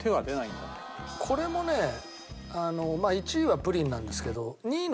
これもねあのまあ１位はプリンなんですけど。